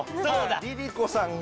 ＬｉＬｉＣｏさんが。